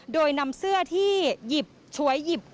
โดยนำเสื้อที่หยิบฉวยหยิบ